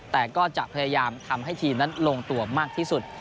แต่ก็จะพยายามทำให้ทีมนั้นลงตัวมากที่สุด